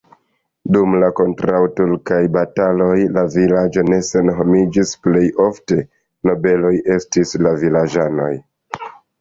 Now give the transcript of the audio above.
Dum la kontraŭturkaj bataloj la vilaĝo ne senhomiĝis, plej ofte nobeloj estis la vilaĝanoj.